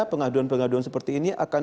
pengaduan pengaduan seperti ini akan